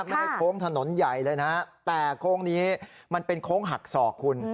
โค้งถนนใหญ่เลยนะแต่โค้งนี้มันเป็นโค้งหักศอกคุณ